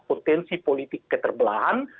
potensi politik keterbelahan